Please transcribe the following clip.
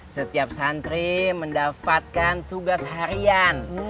setiap santri mendapatkan tugas harian